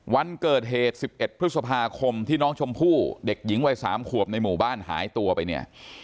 วันเกิดเหตุ๑๑พฤษภาคมที่น้องชมพู่เด็กหญิงวัย๓ขวบในหมู่บ้านหายตัวไปเนี่ย